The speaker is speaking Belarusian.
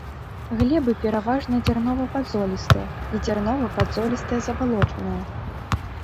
Глебы пераважна дзярнова-падзолістыя і дзярнова-падзолістыя забалочаныя.